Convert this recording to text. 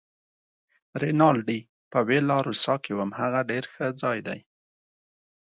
رینالډي: په ویلا روسا کې وم، هغه ډېر ښه ځای دی.